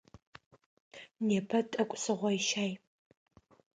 Непэ тӏэкӏу сыгъойщай.